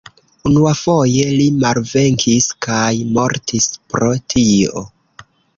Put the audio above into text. Unuafoje li malvenkis kaj mortis pro tio.